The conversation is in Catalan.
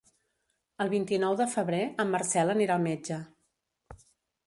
El vint-i-nou de febrer en Marcel anirà al metge.